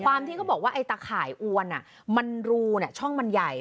ที่เขาบอกว่าไอ้ตะข่ายอวนมันรูช่องมันใหญ่